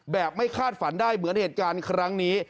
ไม่คาดฝันได้เหมือนเหตุการณ์ครั้งนี้